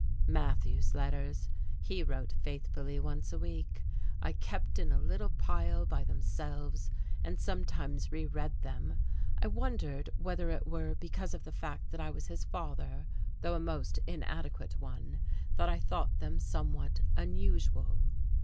Matthew's letters he wrote faithfully once a week I kept in a little pile by themselves and sometimes reread them. I wondered whether it were because of the fact that I was his father though a most inadequate one that I thought them somewhat unusual.